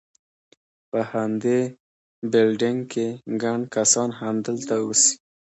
په همدې بلډینګ کې، ګڼ کسان همدلته اوسي.